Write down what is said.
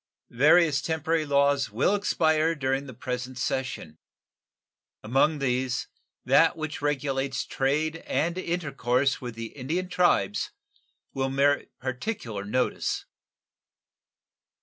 Various temporary laws will expire during the present session. Among these, that which regulates trade and intercourse with the Indian tribes will merit particular notice.